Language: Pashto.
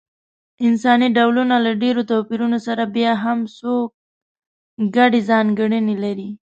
انساني ډولونه له ډېرو توپیرونو سره بیا هم څو ګډې ځانګړنې لري.